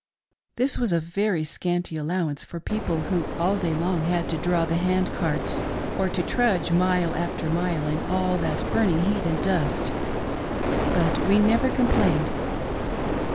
This was a very scanty allowance for people who all day long had to draw the hand carts or to trudge mile after mile in all that burning heat and dust — but we never complained.